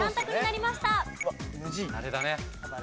あれだね。